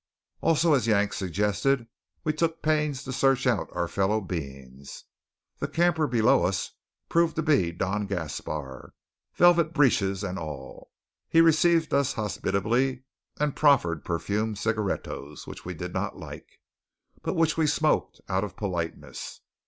Also, as Yank suggested, we took pains to search out our fellow beings. The camper below us proved to be Don Gaspar, velvet breeches and all. He received us hospitably, and proffered perfumed cigarettos which we did not like, but which we smoked out of politeness.